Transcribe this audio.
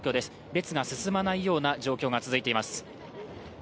列が進まない状況が続いています。